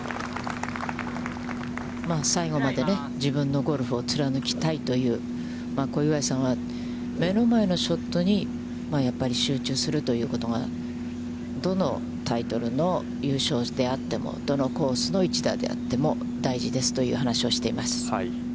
最後まで自分のゴルフを貫きたいという、小祝さんは目の前のショットにやっぱり集中するということがどのタイトルの優勝であっても、どのコースの一打であっても、大事ですという話をしています。